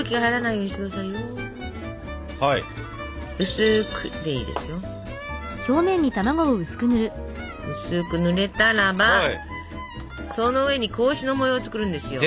薄くでいいですよ。薄くぬれたらばその上に格子の模様を作るんですよ。